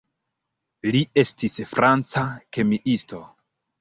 Li estis franca kemiisto.